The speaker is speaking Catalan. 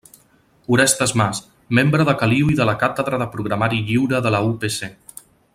Orestes Mas, membre de Caliu i de la Càtedra de Programari Lliure de la UPC.